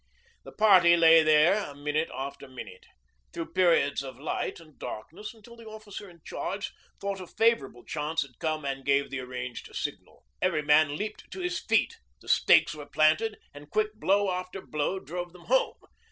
The party lay there minute after minute, through periods of light and darkness, until the officer in charge thought a favourable chance had come and gave the arranged signal. Every man leaped to his feet, the stakes were planted, and quick blow after blow drove them home.